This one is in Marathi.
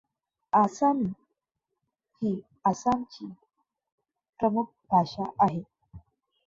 आसामी ही आसामची प्रमुख भाषा आहे.